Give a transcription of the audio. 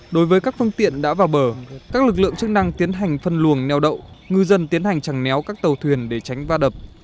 đối với các phương tiện đã vào bờ các lực lượng chức năng tiến hành phân luồng neo đậu ngư dân tiến hành chẳng néo các tàu thuyền để tránh va đập